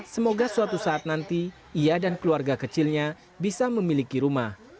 semoga suatu saat nanti ia dan keluarga kecilnya bisa memiliki rumah